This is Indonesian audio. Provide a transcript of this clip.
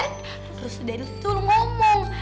terus dari itu lo ngomong